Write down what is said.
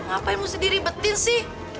ngapain mesti diribetin sih